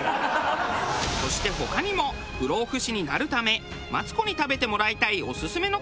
そして他にも不老不死になるためマツコに食べてもらいたいオススメの海藻が。